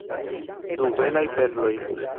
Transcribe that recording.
Du belaj perloj!